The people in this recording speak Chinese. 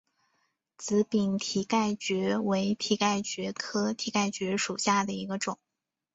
紫柄蹄盖蕨为蹄盖蕨科蹄盖蕨属下的一个种。